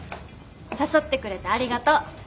誘ってくれてありがとう。